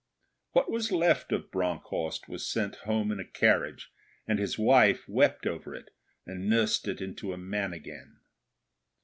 What was left of Bronckhorst was sent home in a carriage; and his wife wept over it and nursed it into a man again.